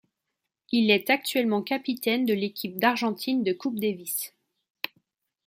Il est actuellement capitaine de l'équipe d'Argentine de Coupe Davis.